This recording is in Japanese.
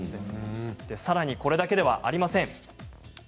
さらに、これだけではありません。